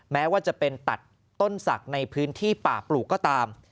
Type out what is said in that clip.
แม้ว่าจะเป็นตัดต้นศักดิ์ในพื้นที่ป่าปลูกก็ตาม